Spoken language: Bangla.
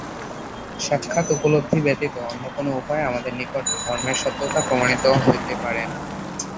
সাক্ষাৎ উপলব্ধি ব্যতীত অন্য কোন উপায়ে আমাদের নিকট ধর্মের সত্যতা প্রমাণিত হইতে পারে না।